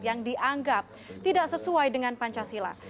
yang dianggap tidak sesuai dengan pancasila